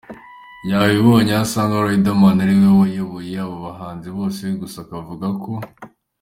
yabibonye, aho asanga Riderman ari we wayoboye aba bahanzi bose gusa akavuga ko.